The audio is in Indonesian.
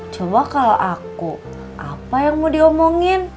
coba kalau aku apa yang mau diomongin